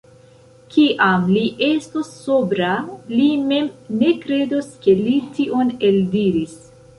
Kiam li estos sobra, li mem ne kredos, ke li tion eldiris.